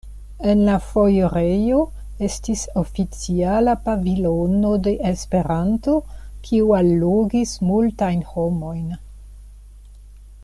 En la foirejo estis oficiala pavilono de Esperanto, kiu allogis multajn homojn.